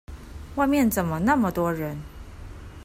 外面怎麼那麼多人？